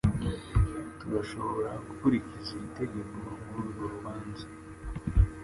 Turashobora gukurikiza iri tegeko mururwo rubanza